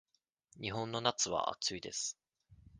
日本の夏は暑いです。